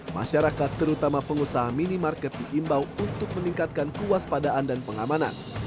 masyarakat terutama pengusaha minimarket diimbau untuk meningkatkan kewaspadaan dan pengamanan